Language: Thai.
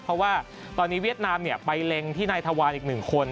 เพราะว่าวียตนามเนี่ยไปเล็งที่ในทวารอีกหนึ่งคน